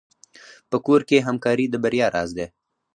په کور کې همکاري د بریا راز دی.